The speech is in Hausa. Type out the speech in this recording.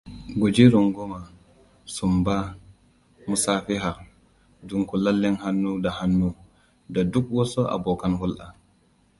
Guji runguma, sumba, musafiha, dunkulallen hannu da hannu, da duk wasu abokan hulɗa.